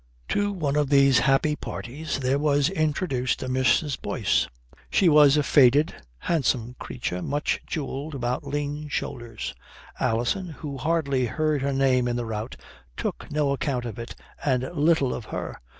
To one of these happy parties there was introduced a Mrs. Boyce. She was a faded, handsome creature much jewelled about lean shoulders. Alison, who hardly heard her name in the rout, took no account of it and little of her.